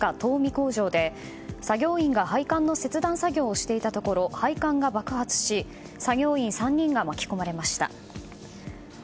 工場で作業員が配管の切断作業をしていたところ配管が爆発し作業員３人が巻き込まれました。